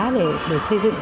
để xây dựng